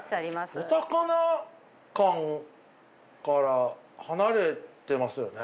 お魚感から離れてますよね。